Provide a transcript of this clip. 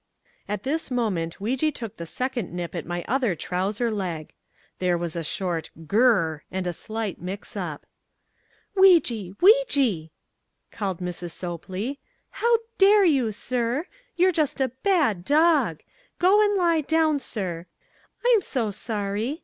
At this moment Weejee took the second nip at my other trouser leg. There was a short GUR R R and a slight mix up. "Weejee! Weejee!" called Mrs. Sopley. "How DARE you, sir! You're just a BAD dog!! Go and lie down, sir. I'm so sorry.